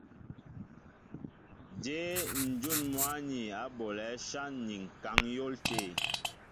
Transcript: Jě ǹjún mwǎ ni á bolɛ̌ áshán ni ŋ̀kaŋ á yɔ̌l tê ?